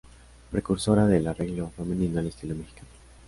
Precursora del arreglo femenino al estilo mexicano.